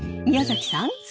宮崎さん